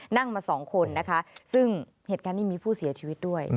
นั่งมาสองคนนะคะซึ่งเหตุการณ์นี้มีผู้เสียชีวิตด้วย